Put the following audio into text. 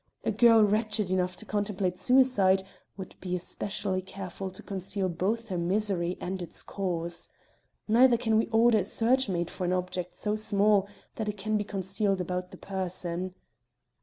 A girl wretched enough to contemplate suicide would be especially careful to conceal both her misery and its cause. Neither can we order a search made for an object so small that it can be concealed about the person."